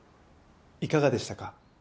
いかがでしたか？